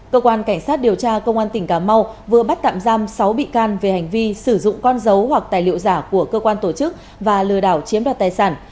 cơ quan cảnh sát điều tra công an tỉnh cà mau vừa bắt tạm giam sáu bị can về hành vi sử dụng con dấu hoặc tài liệu giả của cơ quan tổ chức và lừa đảo chiếm đoạt tài sản